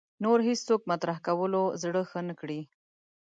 نور هېڅوک مطرح کولو زړه ښه نه کړي